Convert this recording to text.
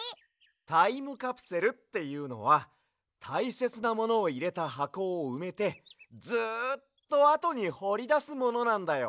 タイムカプセルっていうのはたいせつなものをいれたはこをうめてずっとあとにほりだすものなんだよ。